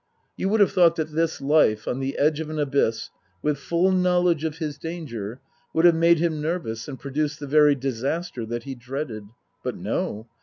You would have thought that this life, on the edge of an abyss, with full knowledge of his danger, would have made him nervous and produced the very disaster that he dreaded. But no.